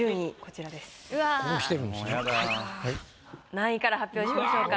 何位から発表しましょうか？